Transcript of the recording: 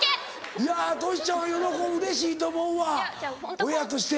いやトシちゃんは喜ぶうれしいと思うわ親として。